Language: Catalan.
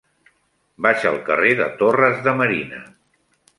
Vaig al carrer de Torres de Marina.